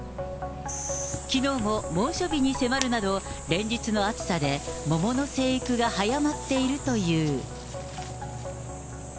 きのうも猛暑日に迫るなど、連日の暑さで、桃の生育が早まっているという。